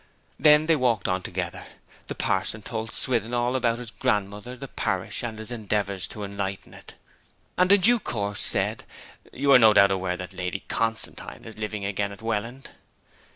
Then they walked on together. The parson told Swithin all about his grandmother, the parish, and his endeavours to enlighten it; and in due course said, 'You are no doubt aware that Lady Constantine is living again at Welland?'